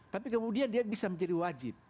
tapi kemudian dia bisa menjadi wajib